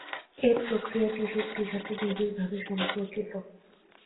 এ প্রক্রিয়াটি শক্তির সাথে নিবিড়ভাবে সম্পর্কিত।